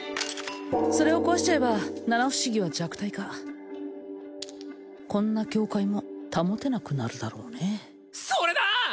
それを壊しちゃえば七不思議は弱体化こんな境界も保てなくなるだろうねそれだ！